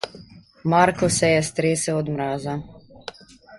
Marko se je stresel od mraza.